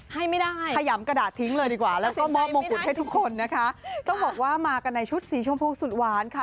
ให้ไม่ได้ขยำกระดาษทิ้งเลยดีกว่าแล้วก็มอบมงกุฎให้ทุกคนนะคะต้องบอกว่ามากันในชุดสีชมพูสุดหวานค่ะ